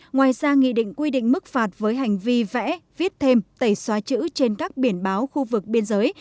ngoài ra nghị định quy định mức phạt với hành vi vẽ viết thêm tẩy xóa chữ trên các biển báo khu vực biên giới